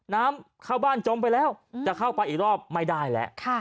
น้ำเข้าบ้านจมไปแล้วจะเข้าไปอีกรอบไม่ได้แล้ว